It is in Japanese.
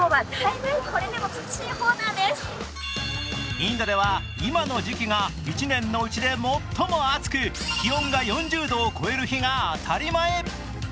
インドでは今の時期が１年のうちで最も暑く気温が４０度を超える日が当たり前。